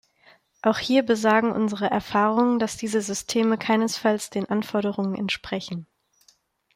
Auch hier besagen unsere Erfahrungen, dass diese Systeme keinesfalls den Anforderungen entsprechen.